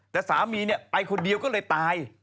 แต่สามีไปคนเดียวก็เลยตาย